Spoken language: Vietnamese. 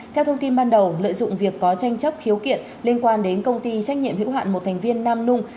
theo thông tin ban đầu lợi dụng việc có tranh chấp khiếu kiện liên quan đến công ty trách nhiệm hữu hạn một thành viên nam nung